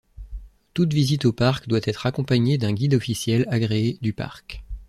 Toute visite au parc doit être accompagnée d’un guide officiel agréé du parc.